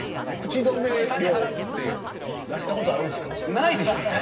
口止め料を払ったことあるんですか。